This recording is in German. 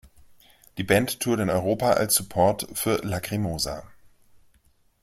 Die Band tourt in Europa als Support für Lacrimosa.